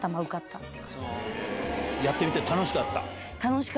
やってみて楽しかった？